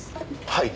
はい。